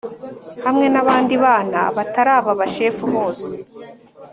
hamwe n abandi bana batari aba bashefu bose